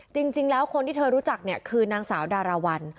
จริงแล้วคนที่เธอรู้จักเนี่ยคือนางสาวดาราวัล